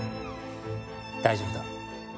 大丈夫だ。